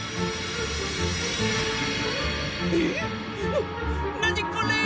な何これ！